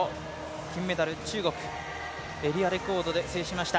金メダル、中国エリアレコードで獲得しました。